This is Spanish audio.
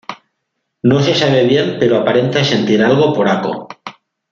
No se sabe bien pero aparenta sentir algo por Ako.